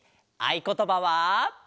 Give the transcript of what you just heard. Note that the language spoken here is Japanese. あいことばは。